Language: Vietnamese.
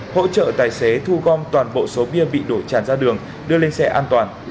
hỗ trợ tài xế thu gom toàn bộ số bia bị đổ tràn ra đường đưa lên xe an toàn